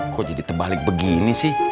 kok jadi terbalik begini sih